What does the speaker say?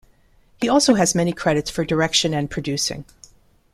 He also has many credits for direction and producing.